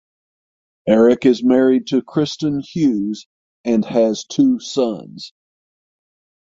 Eric is married to Kristin Hughes and has two sons.